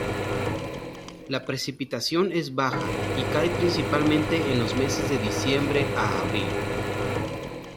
La precipitación es baja, y cae principalmente en los meses de diciembre a abril.